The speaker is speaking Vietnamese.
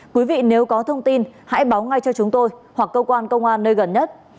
quý vị nếu có thông tin hãy báo ngay cho chúng tôi hoặc cơ quan công an nơi gần nhất